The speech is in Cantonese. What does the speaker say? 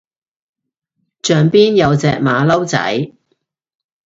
象邊有隻馬騮仔